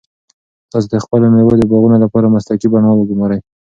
تاسو د خپلو مېوو د باغونو لپاره مسلکي بڼوال وګمارئ.